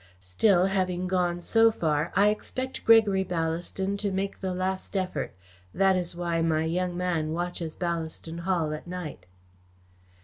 Still, having gone so far, I expect Gregory Ballaston to make the last effort. That is why my young man watches Ballaston Hall at night."